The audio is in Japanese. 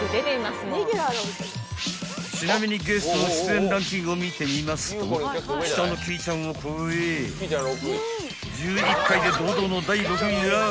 ［ちなみにゲストの出演ランキングを見てみますと北乃きいちゃんを超え１１回で堂々の第６位にランクイン］